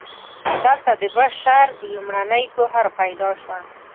دلته د بشر لومړنۍ پوهه پیدا شوه.